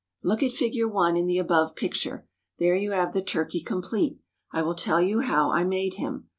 Look at Fig. 1 in the above picture: there you have the turkey complete. I will tell you how I made him.